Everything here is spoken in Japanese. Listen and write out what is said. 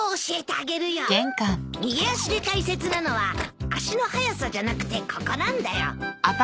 逃げ足で大切なのは足の速さじゃなくてここなんだよ。